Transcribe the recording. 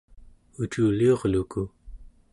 uculiurluku